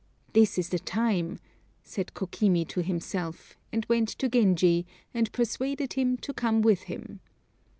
"This is the time," said Kokimi to himself, and went to Genji, and persuaded him to come with him.